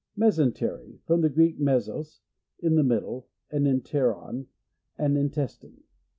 Mesentery. — From the Ureek, mesos, in the middle, and enteron, an in testine.